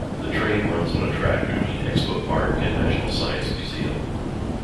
The train runs on a track between Expo Park and National Science Museum.